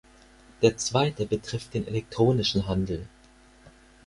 Der zweite betrifft den elektronischen Handel.